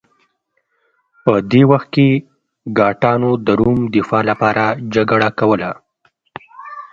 په دې وخت کې ګاټانو د روم دفاع لپاره جګړه کوله